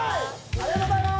ありがとうございます。